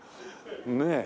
ねえ。